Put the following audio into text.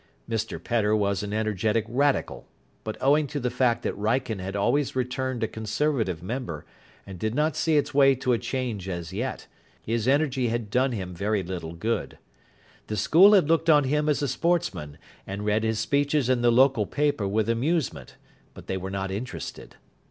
Mr Pedder was an energetic Radical; but owing to the fact that Wrykyn had always returned a Conservative member, and did not see its way to a change as yet, his energy had done him very little good. The school had looked on him as a sportsman, and read his speeches in the local paper with amusement; but they were not interested.